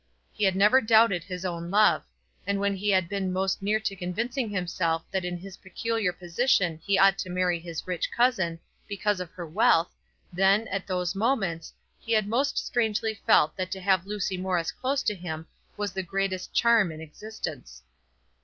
He had never doubted his own love, and when he had been most near to convincing himself that in his peculiar position he ought to marry his rich cousin, because of her wealth, then, at those moments, he had most strongly felt that to have Lucy Morris close to him was the greatest charm in existence.